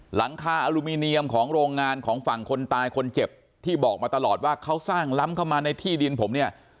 หลังคาอลูมิเนียมของโรงงานของฝั่งคนตายคนเจ็บที่บอกมาตลอดว่าเขาสร้างล้ำเข้ามาในที่ดินผมเนี่ย